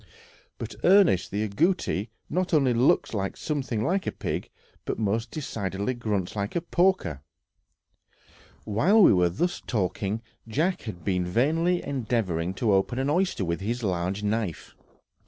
But, Ernest, the agouti not only looks something like a pig, but most decidedly grunts like a porker." While we were thus talking, Jack had been vainly endeavoring to open an oyster with his large knife.